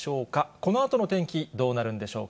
このあとの天気、どうなるんでしょうか。